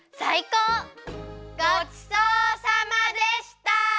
ごちそうさまでした！